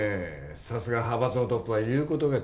さすが派閥のトップは言う事が違う。